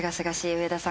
上田さん